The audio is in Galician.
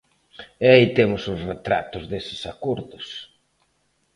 E aí temos os retratos deses acordos.